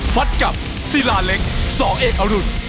ฟัดกับศิลาเล็กสเอกอรุณ